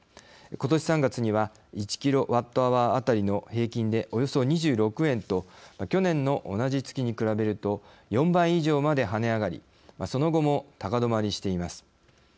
ことし３月には１ｋＷｈ当たりの平均でおよそ２６円と去年の同じ月に比べると４倍以上まで跳ね上がりその後も高止まりしています。